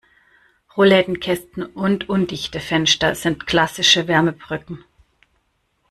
Rollladenkästen und undichte Fenster sind klassische Wärmebrücken.